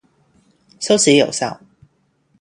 休息有效